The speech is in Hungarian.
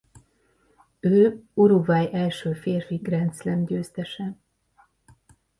Ő Uruguay első férfi Grand Slam-győztese.